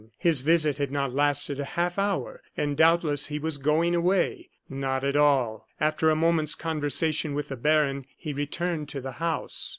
His visit had not lasted a half hour, and doubtless he was going away. Not at all. After a moment's conversation with the baron, he returned to the house.